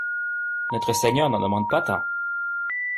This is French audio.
Notre Seigneur n'en demande pas tant!